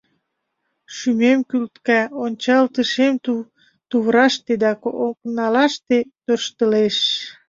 Шӱмем кӱлтка, ончалтышем тувраште да окналаште тӧрштылеш.